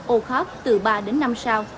o cop từ ba đến năm sáng